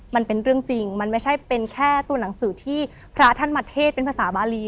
มันเป็นเรื่องจริงมันไม่ใช่เป็นแค่ตัวหนังสือที่พระท่านมาเทศเป็นภาษาบารี